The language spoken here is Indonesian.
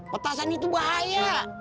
petasan itu bahaya